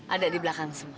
ada di belakang semua